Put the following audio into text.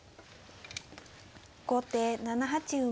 後手７八馬。